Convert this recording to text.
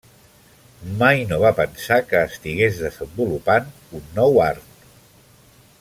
Mai no va pensar que estigués desenvolupant un nou art.